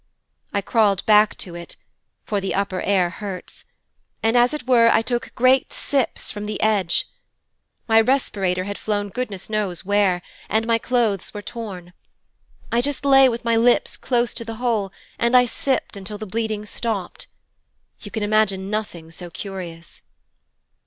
I crawled back to it for the upper air hurts and, as it were, I took great sips from the edge. My respirator had flown goodness knows here, my clothes were torn. I just lay with my lips close to the hole, and I sipped until the bleeding stopped. You can imagine nothing so curious.